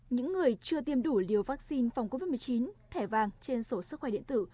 những người chưa tiêm đủ liều vaccine phòng covid một mươi chín thẻ vàng trên sổ sức khỏe điện tử